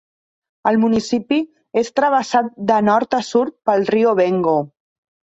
El municipi és travessat de Nord a Sud pel riu Bengo.